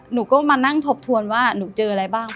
หนูก็มานั่งทบทวนว่าหนูเจออะไรบ้าง